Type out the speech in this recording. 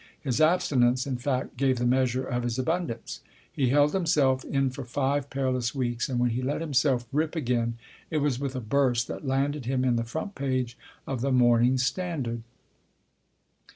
His abstinence, in fact, gave the measure of his abundance. He held himself in for five perilous weeks ; and when he let him self rip again it was with a burst that landed him in the front page of the Morning Standard.